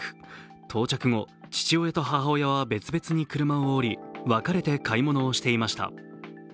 到着後、父親と母親は別々に車を降り分かれて買い物をしていました。